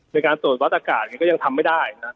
ในการตรวจวัดอากาศก็ยังทำไม่ได้นะ